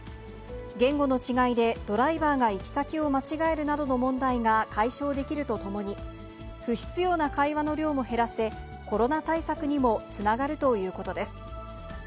言語の違いでドライバーが行き先を間違えるなどの問題が解消できるとともに、不必要な会話の量も減らせ、コロナ対策にもつながるということです。